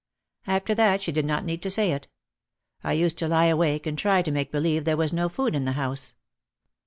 '' After that she did not need to say it. I used to lie awake and try to make believe there was no food in the house.